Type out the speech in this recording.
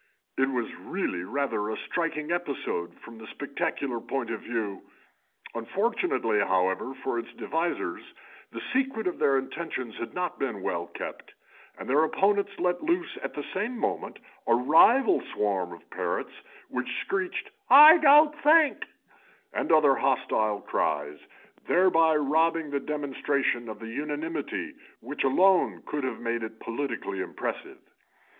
It was really rather a striking episode from the spectacular point of view; unfortunately, however, for its devisers, the secret of their intentions had not been well kept, and their opponents let loose at the same moment a rival swarm of parrots, which screeched 'I don't think' and other hostile cries, thereby robbing the demonstration of the unanimity which alone could have made it politically impressive.